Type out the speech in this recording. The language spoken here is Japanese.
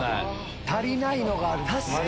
足りないのがあるんすね。